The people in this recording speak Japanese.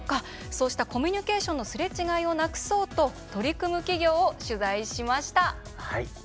そうしたコミュニケーションのすれ違いをなくそうと取り組む企業を取材しました。